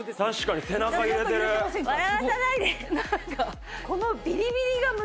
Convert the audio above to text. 笑わさないで！